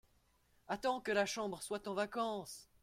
Attends que la Chambre soit en vacances !